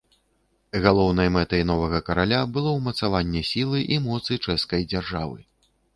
Галоўнай мэтай новага караля было ўмацаванне сілы і моцы чэшскай дзяржавы.